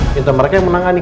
minta mereka yang menangani